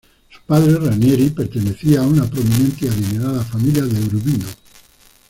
Su padre, Ranieri, pertenecía a una prominente y adinerada familia de Urbino.